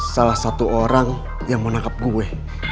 salah satu orang yang menangkap gue